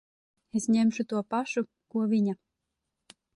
Es ņemšu to pašu, ko viņa.